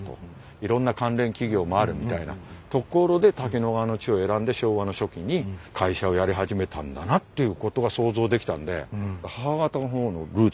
いろんな関連企業もあるみたいなところで滝野川の地を選んで昭和の初期に会社をやり始めたんだなっていうことが想像できたんで。